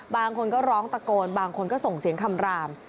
บางคนก็ร้องตะโกนบางคนก็ส่งเสียงคำราม